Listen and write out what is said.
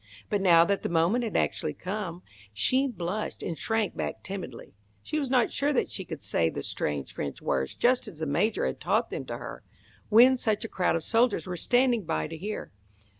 But now that the moment had actually come, she blushed and shrank back, timidly. She was not sure that she could say the strange French words just as the Major had taught them to her, when such a crowd of soldiers were standing by to hear.